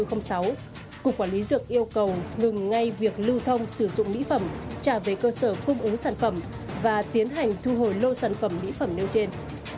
cầu ngừng ngay việc lưu thông sử dụng mỹ phẩm trả về cơ sở cung ứng sản phẩm và tiến hành thu hồi lô sản phẩm mỹ phẩm nêu trên